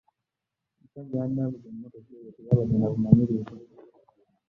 Omusajja eyabadde avuga emmotoka eyo teyabadde na buvunaanyizibwa.